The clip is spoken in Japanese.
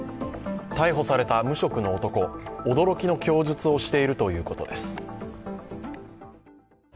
逮捕された無職の男、驚きの供述をしているということです。